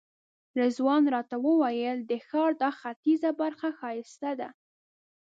رضوان راته وویل د ښار دا ختیځه برخه ښایسته ده.